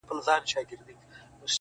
خپه وې چي وړې وړې وړې د فريادي وې